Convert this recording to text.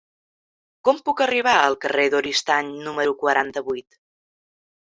Com puc arribar al carrer d'Oristany número quaranta-vuit?